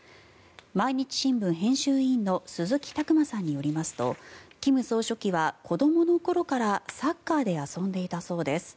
毎日新聞編集委員の鈴木琢磨さんによりますと金総書記は子どもの頃からサッカーで遊んでいたそうです。